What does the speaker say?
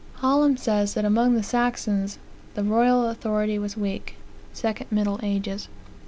Hallam says that among the Saxons, "the royal authority was weak." 2 Middle Ages, 403.